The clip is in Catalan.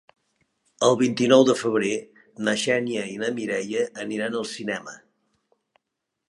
El vint-i-nou de febrer na Xènia i na Mireia aniran al cinema.